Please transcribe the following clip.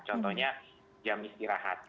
contohnya jam istirahat